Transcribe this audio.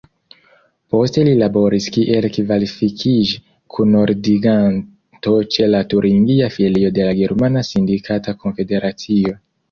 Poste li laboris kiel kvalifikiĝ-kunordiganto ĉe la turingia filio de la Germana sindikata konfederacio.